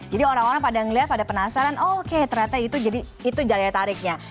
jadi orang orang pada melihat pada penasaran oke ternyata itu jadi itu jari tariknya